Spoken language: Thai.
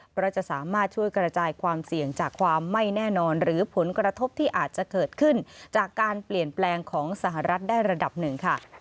เพราะจะสามารถช่วยกระจายความเสี่ยงจากความไม่แน่นอนหรือผลกระทบที่อาจจะเกิดขึ้นจากการเปลี่ยนแปลงของสหรัฐได้ระดับหนึ่งค่ะ